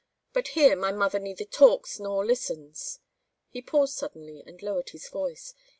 But here my mother neither talks nor listens " He paused suddenly and lowered his voice.